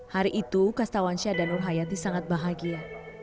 hari itu kastawan syahdan nurhayati sangat bahagia